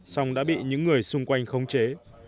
xong đã bị những người xung quanh khống chế